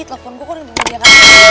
telepon gue kok gak diangkat